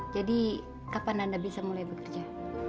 jadi kapan anda bisa mulai bekerja